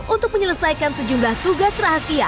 untuk menyelesaikan sejumlah tugas rahasia